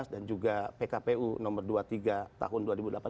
dan juga pkpu nomor dua puluh tiga tahun dua ribu delapan belas